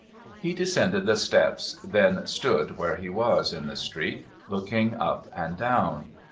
He descended the steps, then stood where he was, in the street, looking up and down.